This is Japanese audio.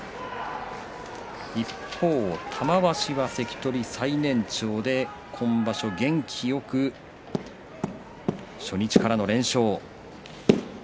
一方の玉鷲は関取最年長で今場所元気よく初日からの連勝。